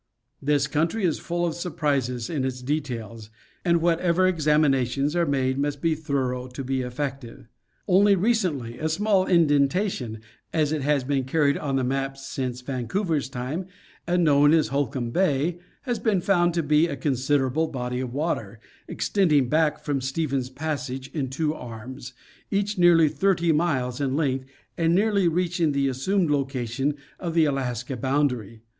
This country is full of surprises in its details, and whatever examinations are made must be thor ough to be effective. Only recently, a small indentation, as it has been carried on the maps since Vancouver's time, and known as Holkham Bay, has been found to be a considerable body of water, extending back from Stephen's passage in two arms, each nearly thirty miles in length and nearly reaching the assumed location of the Alaska boundary.